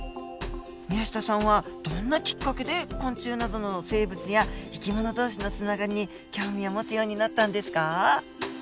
宮下さんはどんなきっかけで昆虫などの生物や生き物同士のつながりに興味を持つようになったんですか？